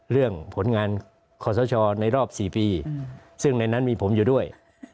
ผลงานขอสชในรอบ๔ปีซึ่งในนั้นมีผมอยู่ด้วย